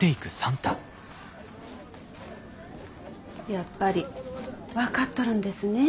やっぱり分かっとるんですねえ